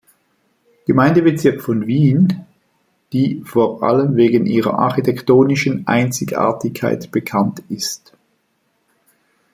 Gemeindebezirk von Wien, die vor allem wegen ihrer architektonischen Einzigartigkeit bekannt ist.